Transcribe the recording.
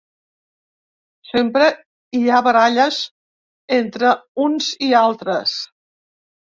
Sempre hi ha baralles entre uns i altres.